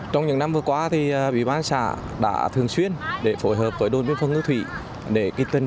trong những năm vừa qua bỉ bán xã đã thường xuyên để phối hợp với đồn biên phòng ngữ thủy để tuyên